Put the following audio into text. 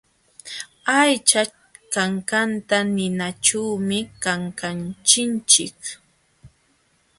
Aycha kankata ninaćhuumi kankachinchik.